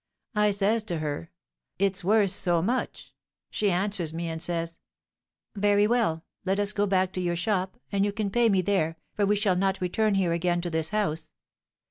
I says to her, 'It's worth so much,' She answers me, and says, 'Very well; let us go back to your shop, and you can pay me there, for we shall not return here again to this house.'